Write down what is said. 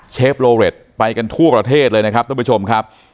เชฟโลเรตไปกันทั่วประเทศเลยนะครับท่านผู้ชมครับ